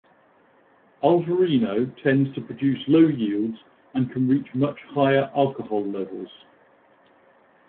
Alvarinho tends to produce low yields and can reach much higher alcohol levels.